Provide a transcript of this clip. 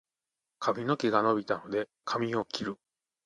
髪の毛が伸びたので、髪を切る。